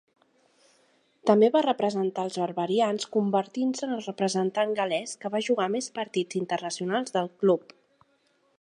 També va representar als Barbarians convertint-se en el representant gal·lès que va jugar a més partits internacionals del club.